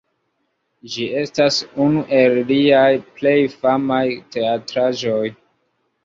Ĝi estas unu el liaj plej famaj teatraĵoj.